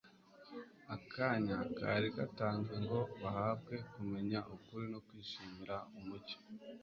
Akanya kari gatanzwe ngo bahabwe kumenya ukuri no kwishimira umucyo.